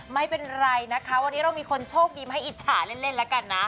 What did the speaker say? ไม่เป็นไรนะคะวันนี้เรามีคนโชคดีมาให้อิจฉาเล่นแล้วกันนะ